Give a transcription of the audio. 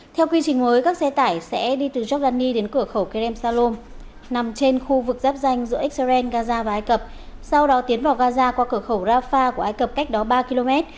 theo quy trình mới các xe tải sẽ đi từ giordani đến cửa khẩu kerem salom nằm trên khu vực giáp danh giữa israel gaza và ai cập sau đó tiến vào gaza qua cửa khẩu rafah của ai cập cách đó ba km